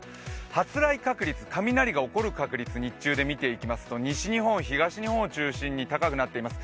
発雷確率、日中で見ていきますと西日本、東日本を中心に高くなっています。